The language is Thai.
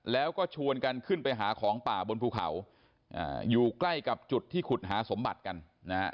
แล้วก็ชวนกันขึ้นไปหาของป่าบนภูเขาอยู่ใกล้กับจุดที่ขุดหาสมบัติกันนะฮะ